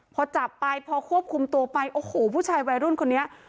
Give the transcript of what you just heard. พอจับไปพอควบคุมตัวไปโอ้โหผู้ชายวัยรุ่นคนนี้